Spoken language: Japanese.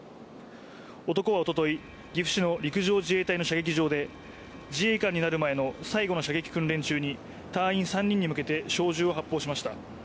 男はおととい、岐阜市の陸上自衛隊の射撃場で自衛官になる前の最後の射撃訓練中に隊員３人に向けて小銃を発砲しました。